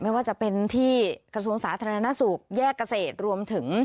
ไม่ว่าจะเป็นที่กระทรวงสาธารณสุขแยกเกษตรรวมถึง